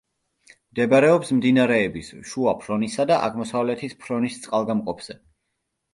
მდებარეობს მდინარეების შუა ფრონისა და აღმოსავლეთის ფრონის წყალგამყოფზე.